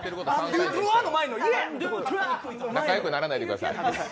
仲よくならないでください。